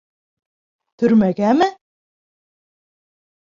Төрмәгәме?